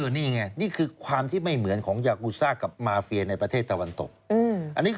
นี่ไงนี่คือความที่ไม่เหมือนของยากูซ่ากับมาเฟียในประเทศตะวันตก